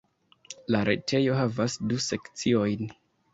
La retejo havas du sekciojn.